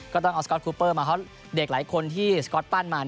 ก็ต้องเอาสก๊อตคูเปอร์มาเพราะเด็กหลายคนที่สก๊อตปั้นมา